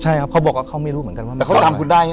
ใช่ครับเขาบอกว่าเขาไม่รู้เหมือนกันว่ามาทำอะไร